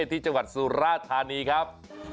ที่จังหวัดสุราธานีครับ